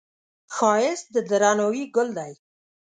ښایست د درناوي ګل دی